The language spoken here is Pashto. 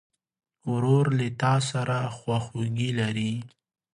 ورور له تا سره خواخوږي لري.